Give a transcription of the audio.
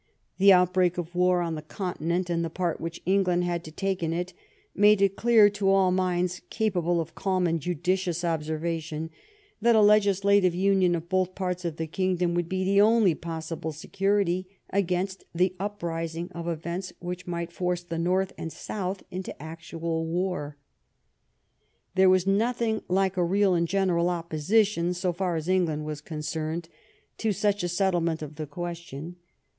The outbreak of war on the continent, and the part which England had to take in it, made it clear to all minds capable of calm and judicious observation that a legislative union of both parts of the kingdom would be the only possible se curity against the uprising of events which might force the North and the South into actual war. There was nothing like a real and general opposition, so far as England was concerned, to such a settlement of the question.